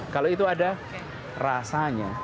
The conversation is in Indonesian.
kalau itu ada rasanya